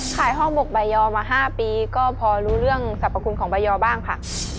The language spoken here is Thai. ห้องบกใบยอมา๕ปีก็พอรู้เรื่องสรรพคุณของใบอบ้างค่ะ